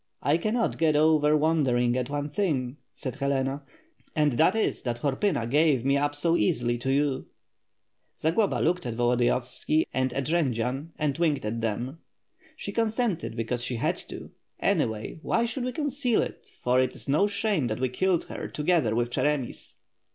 "I cannot get over wondering at one thing," said Helena, "and that is that Horpyna gave me up so easily to you." Zagloba looked at Volodiyovski and at Jendzian and winked at them. "She consented because she had to. Anyway, why should we conceal it, for it is no shame that we killed her, together with Cheremis."